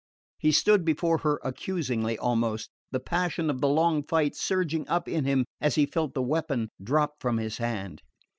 He stood before her accusingly, almost, the passion of the long fight surging up in him as he felt the weapon drop from his hand.